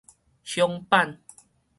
響板